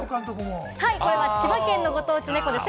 これは千葉県のご当地ネコです。